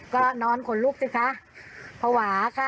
ก็นอนขนลุกสิคะภาวะค่ะ